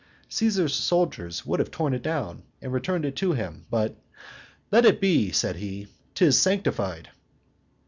Caesar's soldiers would have torn it down and returned it to him; but "let it be," said he; "'tis sanctified."